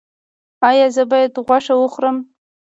ایا زه باید غوښه وخورم؟